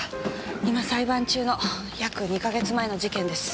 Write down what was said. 今裁判中の約２か月前の事件です。